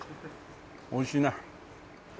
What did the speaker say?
おいしいね。